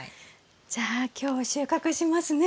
じゃあ今日収穫しますね。